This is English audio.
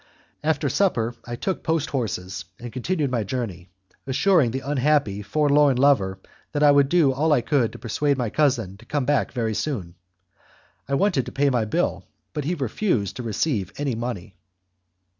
After supper I took post horses and continued my journey, assuring the unhappy, forlorn lover that I would do all I could to persuade my cousin to come back very soon. I wanted to pay my bill, but he refused to receive any money.